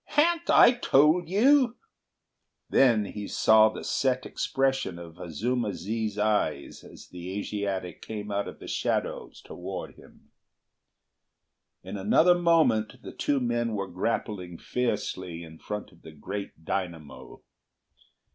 "Han't I told you—" Then he saw the set expression of Azuma zi's eyes as the Asiatic came out of the shadow towards him. In another moment the two men were grappling fiercely in front of the great dynamo.